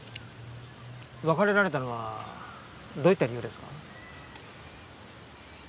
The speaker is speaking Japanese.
別れられたのはどういった理由ですか？